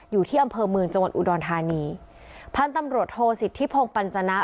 อยู่ที่อำเภอเมืองจังหวัดอุดรธานีพันธุ์ตำรวจโทษสิทธิพงศ์ปัญจนะ